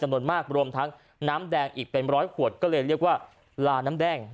จำนวนมากรวมทั้งน้ำแดงอีกเป็นร้อยขวดก็เลยเรียกว่าลาน้ำแดง